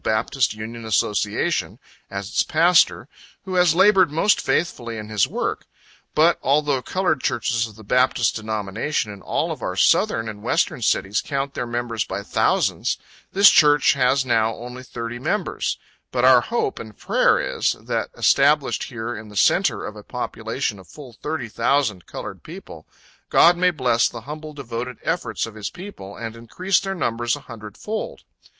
Baptist Union Association, as its pastor, who has labored most faithfully in his work. But, although colored churches of the Baptist denomination in all of our Southern and Western cities count their members by thousands, this church has now only thirty members but our hope and prayer is, that established here in the centre of a population of full thirty thousand colored people, God may bless the humble devoted efforts of His people, and increase their numbers a hundred fold.